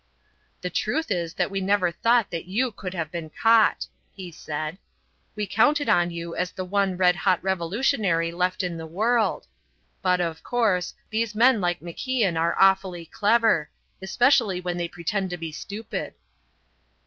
"The truth is that we never thought that you could have been caught," he said; "we counted on you as the one red hot revolutionary left in the world. But, of course, these men like MacIan are awfully clever, especially when they pretend to be stupid."